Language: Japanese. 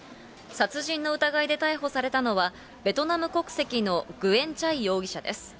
殺人の疑いで逮捕されたのは、ベトナム国籍のグエン・チャイ容疑者です。